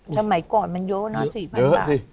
สมัยก่อนมันเยอะนะ๔๐๐๐บาท